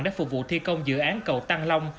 để phục vụ thi công dự án cầu tăng long